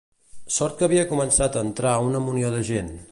Sort que havia començat a entrar una munió de gent.